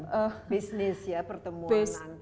belum bisnis ya pertemuan antara